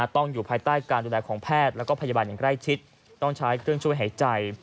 ต้องอยู่ภายใต้การดูแลของแพทย์และพยาบาลอย่างใกล้ชิดต้องใช้เครื่องช่วยหายใจ